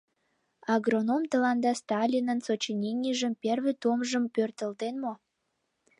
Агроном тыланда Сталинын сочиненийжын первый томжым пӧртылтен мо?